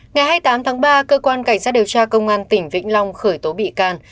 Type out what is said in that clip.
ngày hai mươi tám tháng ba cơ quan cảnh sát điều tra công an tỉnh vĩnh long khởi tố bị can